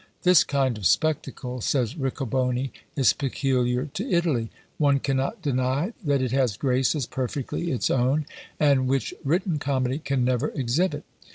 "This kind of spectacle," says Riccoboni, "is peculiar to Italy; one cannot deny that it has graces perfectly its own, and which written Comedy can never exhibit.